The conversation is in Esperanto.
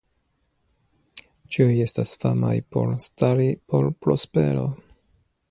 Tiuj estas famaj por stari por prospero.